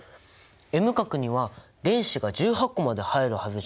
Ｍ殻には電子が１８個まで入るはずじゃない？